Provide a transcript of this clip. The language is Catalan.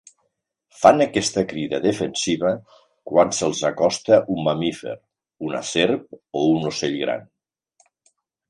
Fan aquesta crida defensiva quan se'ls acosta un mamífer, una serp o un ocell gran.